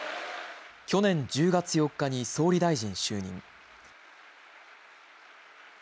去年１０月４日に総理大臣就任。